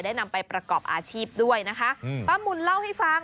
นำไปประกอบอาชีพด้วยนะคะอืมป้ามุนเล่าให้ฟัง